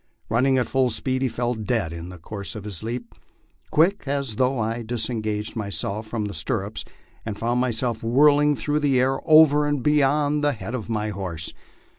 Running at full speed he fell dead in the course of his leap. Quick as thought I disengaged myself from the stirrups and found myself whirling through the air over and beyond the head of my horse.